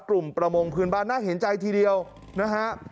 ประมงพื้นบ้านน่าเห็นใจทีเดียวนะฮะ